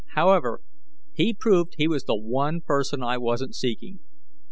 However, he'd proved he was the one person I wasn't seeking.